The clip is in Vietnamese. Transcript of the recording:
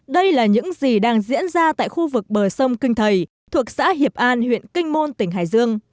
đây là những gì đang diễn ra tại khu vực bờ sông kinh thầy thuộc xã hiệp an huyện kinh môn tỉnh hải dương